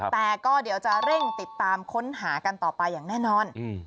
แต่ก็เดี๋ยวจะเร่งติดตามค้นหากันต่อไปอย่างแน่นอน